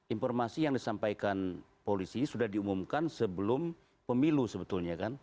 informasi yang disampaikan polisi sudah diumumkan sebelum pemilu sebetulnya kan